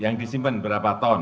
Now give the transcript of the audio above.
yang disimpan berapa ton